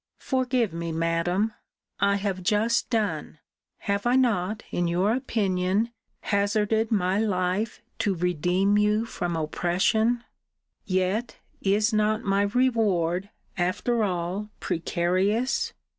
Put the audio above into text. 'Forgive me, Madam I have just done Have I not, in your opinion, hazarded my life to redeem you from oppression? Yet is not my reward, after all, precarious?